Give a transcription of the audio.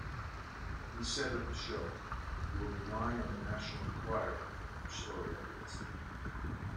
He said of the show "We'll rely on the "National Enquirer" for story ideas.